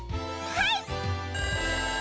はい！